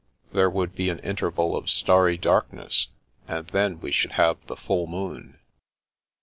There would be an interval of starry darkness, and then we should have the full moon."